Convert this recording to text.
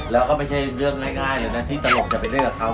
แล้วก็ไม่ใช่เรื่องง่ายเลยนะที่ตลกจะไปเล่นกับเขา